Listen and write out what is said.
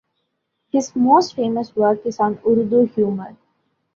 His most famous work is on Urdu humour.